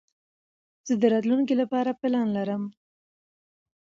زه د راتلونکي له پاره پلان لرم.